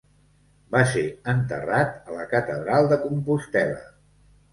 Va ser enterrat a la catedral de Compostela.